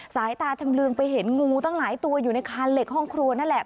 สายตาชำลึงไปเห็นงูตั้งหลายตัวอยู่ในคานเหล็กห้องครัวนั่นแหละ